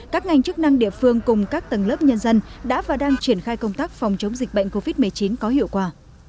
các ngành chức năng địa phương cùng các tầng lớp nhân dân đã và đang triển khai công tác phòng chống dịch bệnh covid một mươi chín có hiệu quả